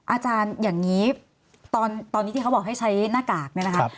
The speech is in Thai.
อาจารย์อย่างนี้ตอนนี้ที่เขาบอกให้ใช้หน้ากาก